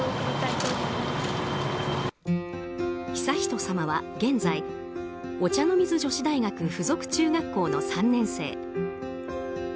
悠仁さまは現在お茶の水女子大学附属中学校の３年生。